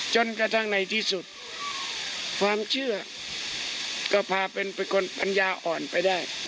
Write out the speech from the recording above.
จนกระทั่งในที่สุดความเชื่อก็พาเป็นคนปัญญาอ่อนไปได้